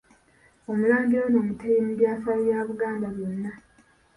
Omulangira ono Mutebi mu byafaayo bya Buganda byonna.